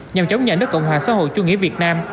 nhằm chống nhận đất cộng hòa xã hội chung nghĩa việt nam